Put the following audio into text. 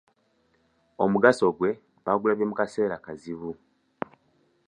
Omugaso gwe bagulabye mu kaseera kazibu.